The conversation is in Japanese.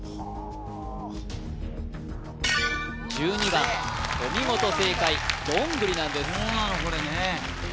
１２番お見事正解「どんぐり」なんですそうなのこれね